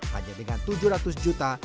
hanya dengan tujuh ratus juta